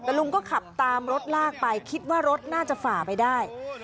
แต่ลุงก็ขับตามรถลากไปคิดว่ารถน่าจะฝ่าไปได้